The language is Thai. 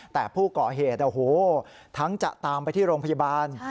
แต่ผู้ก่อเหตุทั้งจะตามไปที่โรงพยาบาล